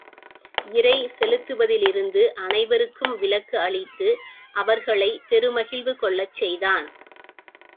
இறை செலுத்துவதிலிருந்து அனை வருக்கும் விலக்கு அளித்து அவர்களைப் பெரு மகிழ்வு கொள்ளச் செய்தான்.